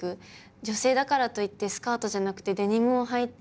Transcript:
女性だからといってスカートじゃなくてデニムをはいてもいいじゃないか。